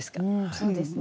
そうですね。